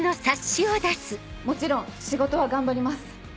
もちろん仕事は頑張ります